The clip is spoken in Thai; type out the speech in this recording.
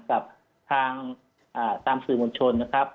กับทางตามสื่อมวลชนนะครับ